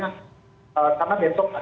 yang pertama itu harus diaktifkan